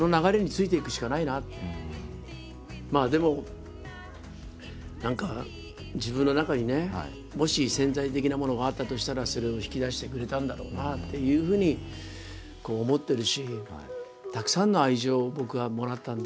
まあでも何か自分の中にねもし潜在的なものがあったとしたらそれを引き出してくれたんだろうなっていうふうに思ってるし。